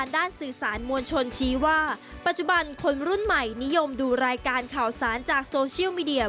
ดังบันคนรุ่นใหม่นิยมดูรายการข่าวสารจากโซเชียลมีเดีย